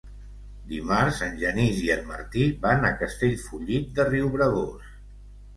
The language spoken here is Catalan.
Dimarts en Genís i en Martí van a Castellfollit de Riubregós.